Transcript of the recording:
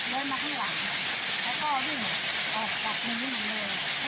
มีงูเขียว